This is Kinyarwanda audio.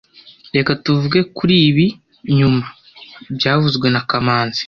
Reka tuvuge kuri ibi nyuma byavuzwe na kamanzi